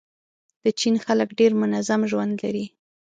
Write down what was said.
د چین خلک ډېر منظم ژوند لري.